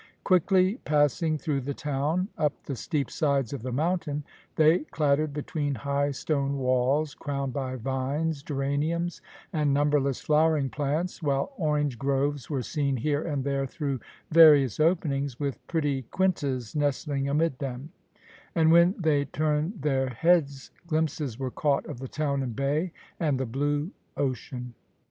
Quickly passing through the town, up the steep sides of the mountain, they clattered between high stone walls, crowned by vines, geraniums, and numberless flowering plants, while orange groves were seen here and there through various openings, with pretty quintas nestling amid them; or when they turned their heads glimpses were caught of the town and bay, and the blue ocean.